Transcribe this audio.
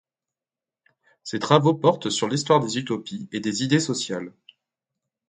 Ses travaux portent sur l'histoire des utopies et des idées sociales.